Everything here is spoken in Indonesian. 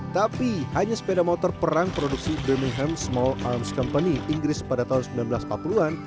tapi hanya sepeda motor perang produksi birmingham small arms company inggris pada tahun seribu sembilan ratus empat puluh an